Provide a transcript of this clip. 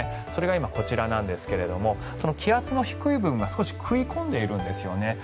それが今、こちらなんですが気圧の低い部分が少し食い込んでいるんですよね。